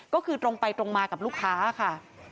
ก็คือตรงไปตรงมากับลูกค้าค่ะ